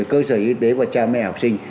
cơ sở y tế và cha mẹ học sinh